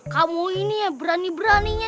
kamu ini ya berani beraninya